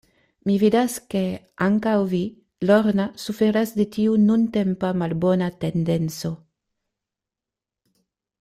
Mi vidas, ke ankaŭ vi, Lorna, suferas de tiu nuntempa, malbona tendenco.